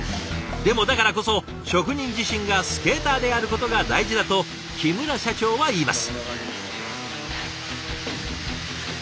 でもだからこそ職人自身がスケーターであることが大事だと木村社長は言います。